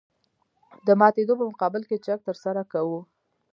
د ماتېدو په مقابل کې چک ترسره کوو